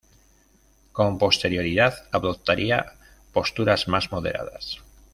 Con posterioridad adoptaría posturas más moderadas.